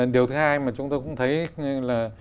điều thứ hai mà chúng tôi cũng thấy là